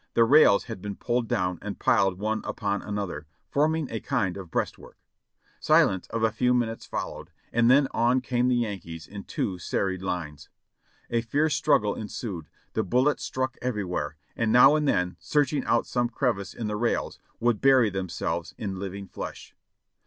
The rails had been pulled down and piled one upon another, forming a kind of breastwork. Silence of a few minutes followed, and then on came the Yankees in two serried lines. A fierce struggle ensued; the bullets struck everywhere, and now and then, searching out some crevice in the rails, would bury themselves in living flesh.